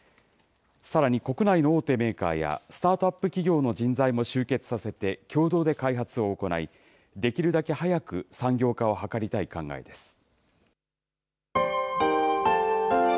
さらに国内の大手メーカーや、スタートアップ企業の人材も集結させて共同で開発を行い、できるだけ早く産業化を図りたい考えです。